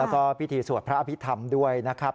แล้วก็พิธีสวดพระอภิษฐรรมด้วยนะครับ